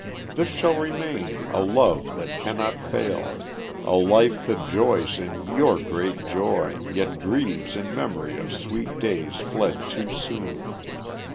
This shall remain, a love that cannot fail, A life that joys in your great joy, yet grieves In memory of sweet days fled too soon.